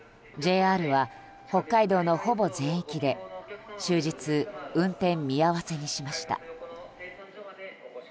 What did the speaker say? ＪＲは北海道のほぼ全域で終日運転見合わせにしました。